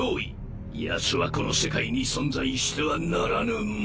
ヤツはこの世界に存在してはならぬ者！